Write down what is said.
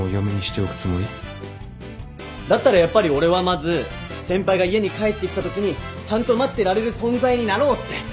だったらやっぱり俺はまず先輩が家に帰ってきたときにちゃんと待ってられる存在になろうって